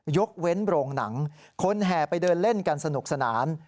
ยกเว้นโรงหนังคนแห่ไปเดินเล่นกันสนุกสนาน